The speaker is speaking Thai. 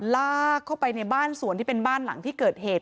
ลากเข้าไปในบ้านสวนที่เป็นบ้านหลังที่เกิดเหตุ